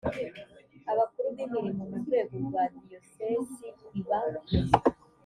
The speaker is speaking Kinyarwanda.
abakuru b imirimo mu rwego rwa diyosesi iba